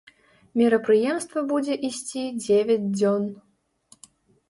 Мерапрыемства будзе ісці дзевяць дзён.